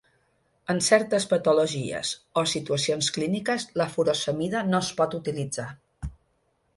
En certes patologies o situacions clíniques la furosemida no es pot utilitzar.